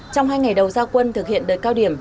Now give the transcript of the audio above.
trong hai ngày đầu gia quân thực hiện đợt cao điểm